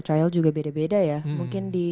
chile juga beda beda ya mungkin di